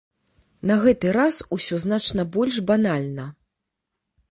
На гэты раз усё значна больш банальна.